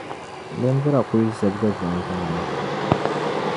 bindira kul zibigi vinvama ni.